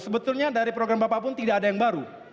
sebetulnya dari program bapak pun tidak ada yang baru